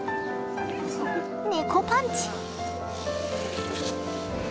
ネコパンチ！